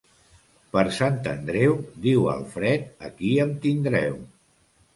Per Sant Andreu, diu el fred, aquí em tindreu.